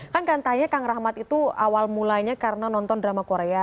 kan katanya kang rahmat itu awal mulanya karena nonton drama korea